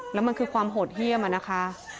แล้วมันคือความโหดเยี่ยมอะนะคะ